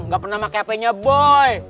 nggak pernah pake hp nya boy